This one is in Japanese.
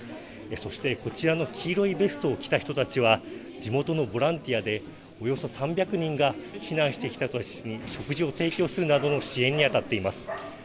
そしてこちらの黄色いベストを着た人たちは地元のボランティアで、およそ３００人が避難してきた人たちに食事を提供するなどの支援に当たっています。